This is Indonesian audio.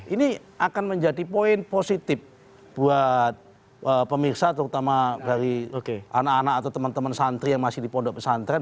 ini akan menjadi poin positif buat pemirsa terutama dari anak anak atau teman teman santri yang masih di pondok pesantren